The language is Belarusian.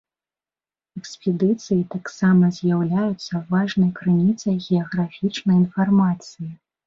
Экспедыцыі таксама з'яўляюцца важнай крыніцай геаграфічнай інфармацыі.